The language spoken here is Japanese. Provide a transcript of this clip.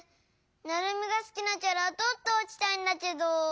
ナルミがすきなキャラとっておきたいんだけど。